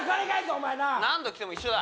お前な何度来ても一緒だ